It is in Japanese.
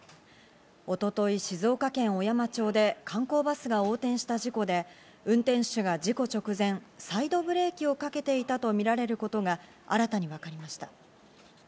一昨日、静岡県小山町で観光バスが横転した事故で、運転手が事故直前、サイドブレーキをかけていたとみられることが新たに分かりました。